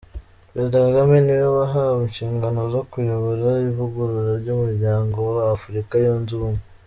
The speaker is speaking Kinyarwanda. Perezida Kagame niwe wahawe inshingano zo kuyobora ivugurura ry’Umuryango w’Afurika yunze Ubumwe.